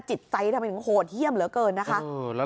จิตใจจะเกิดถึงโหดเที่ยมเหลือกว่าเกินนะคะ